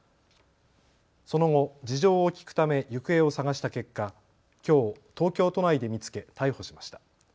その後、事情を聴くため行方を捜した結果、きょう東京都内で見つけ逮捕しました。